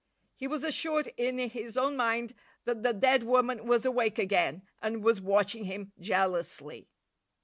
He was assured in his own mind that the dead woman was awake again and was watching him jealously.